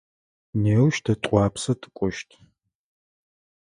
Неущ тэ Тӏуапсэ тыкӏощт.